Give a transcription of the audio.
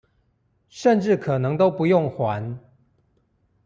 甚至可能都不用還